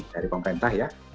dari pemerintah ya